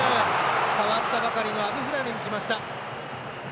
代わったばかりのアブフラルがきました。